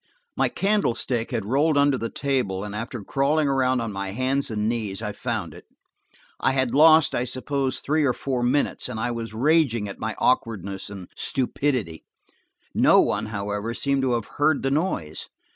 My candlestick had rolled under the table, and after crawling around on my hands and knees, I found it. I had lost, I suppose, three or four minutes, and I was raging at my awkwardness and stupidity. No one, however, seemed to have heard the noise.